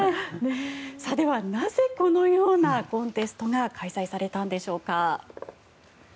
ではなぜこのようなコンテストが開催されたんでしょうか。